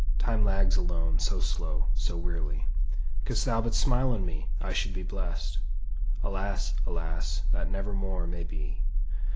Time lags alone so slow, so wearily; Couldst thou but smile on me, I should be blest. Alas, alas! that never more may be.